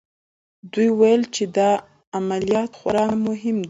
دوی ویل چې دا عملیات خورا مهم دی